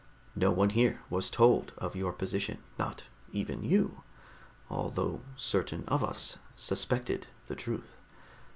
No one here was told of your position not even you although certain of us suspected the truth.